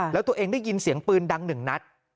แล้วตัวเองได้ยินเสียงปืนดังหนึ่งนัด